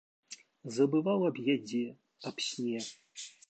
Забываў аб ядзе, аб сне.